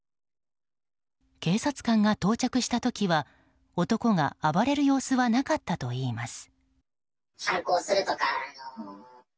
警察官が到着した時は男が暴れる様子はなかったといいます。